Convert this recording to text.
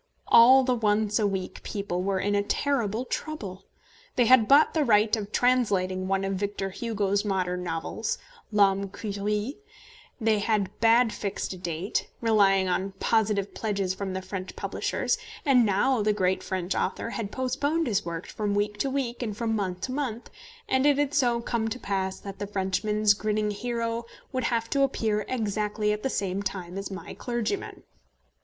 All the Once a Week people were in a terrible trouble. They had bought the right of translating one of Victor Hugo's modern novels, L'Homme Qui Rit; they had fixed a date, relying on positive pledges from the French publishers; and now the great French author had postponed his work from week to week and from month to month, and it had so come to pass that the Frenchman's grinning hero would have to appear exactly at the same time as my clergyman.